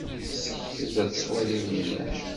Sekked ad twaliḍ mliḥ!